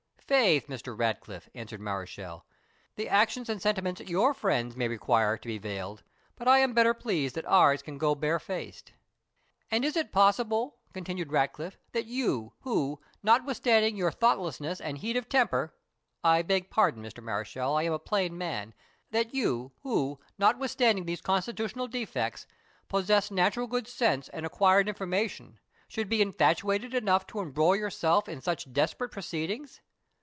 "Faith, Mr. Ratcliffe," answered Mareschal, "the actions and sentiments YOUR friends may require to be veiled, but I am better pleased that ours can go barefaced." "And is it possible," continued Ratcliffe, "that you, who, notwithstanding pour thoughtlessness and heat of temper (I beg pardon, Mr. Mareschal, I am a plain man) that you, who, notwithstanding these constitutional defects, possess natural good sense and acquired information, should be infatuated enough to embroil yourself in such desperate proceedings?